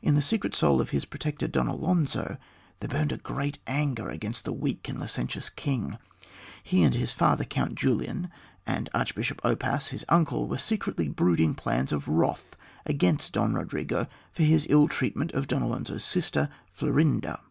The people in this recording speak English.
In the secret soul of his protector, Don Alonzo, there burned a great anger against the weak and licentious king. He and his father, Count Julian, and Archbishop Oppas, his uncle, were secretly brooding plans of wrath against Don Rodrigo for his ill treatment of Don Alonzo's sister, Florinda.